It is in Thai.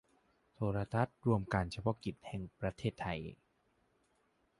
โทรทัศน์รวมการเฉพาะกิจแห่งประเทศไทย